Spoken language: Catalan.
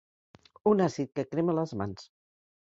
Un àcid que crema les mans.